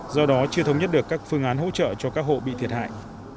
do đó chưa thống nhất được các phương án hỗ trợ cho các hộ bị thiệt hại